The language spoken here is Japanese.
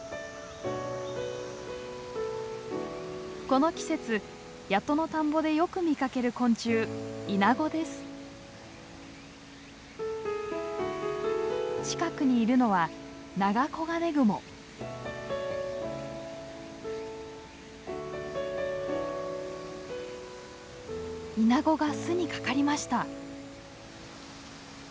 この季節谷戸の田んぼでよく見かける昆虫近くにいるのはイナゴが巣にかかりました。